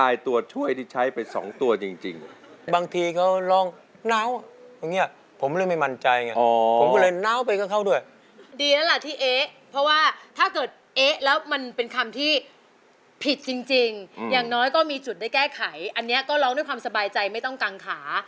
อย่างน้อยก็มีจุดได้แก้ไขอันนี้ก็ร้องด้วยความสบายใจไม่ต้องกังขา